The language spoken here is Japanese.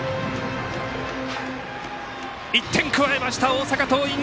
１点加えました、大阪桐蔭。